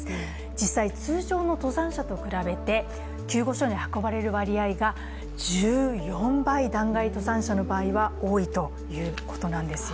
実際、通常の登山者と比べて救護所に運ばれる割合が１４倍弾丸登山者の場合は多いということなんですよ